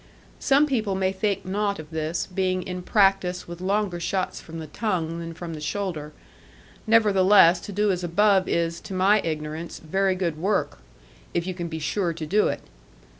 Some people may think nought of this, being in practice with longer shots from the tongue than from the shoulder; nevertheless, to do as above is, to my ignorance, very good work, if you can be sure to do it.